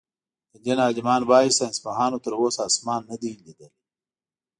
د دين عالمان وايي ساينسپوهانو تر اوسه آسمان نۀ دئ ليدلی.